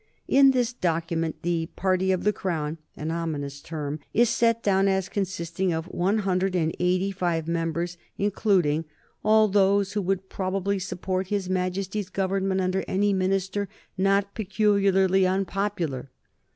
In this document the "Party of the Crown" an ominous term is set down as consisting of 185 members, including "all those who would probably support his Majesty's Government under any minister not peculiarly unpopular."